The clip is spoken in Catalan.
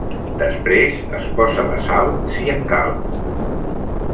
Després es posa la sal si en cal.